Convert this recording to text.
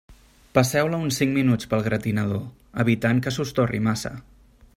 Passeu-la uns cinc minuts pel gratinador, evitant que se us torri massa.